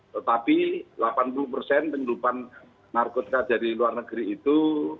tetapi delapan puluh persen penyelupan narkotika dari luar negeri itu